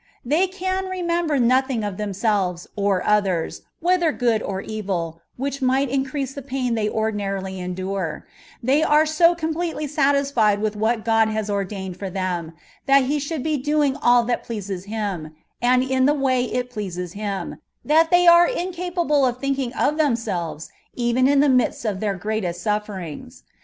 *' They can remember nothing of themselves or others, whether good or evil, which might increase the pain they ordinarily enduro ; they are so completely satisfied with what God has ordained for them, that He should be doing ali that pleases Him, and in the way it pleases Him, that they are incapable of thinking of themselves even in the midst of their greatest sufferings.